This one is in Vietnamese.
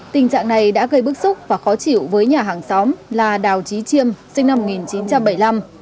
tình trạng này đã gây bức xúc và khó chịu với nhà hàng xóm là đào trí chiêm sinh năm một nghìn chín trăm bảy mươi năm